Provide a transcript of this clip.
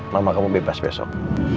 mama kamu bebas besok